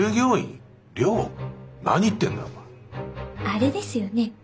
あれですよね？